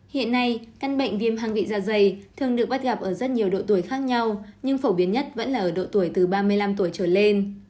hiện nay căn bệnh viêm hăng vị da dày thường được bắt gặp ở rất nhiều độ tuổi khác nhau nhưng phổ biến nhất vẫn là ở độ tuổi từ ba mươi năm tuổi trở lên